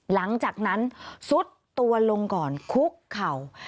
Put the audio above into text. หลังจากนั้นซุดตัวลงก่อนคุกเข่า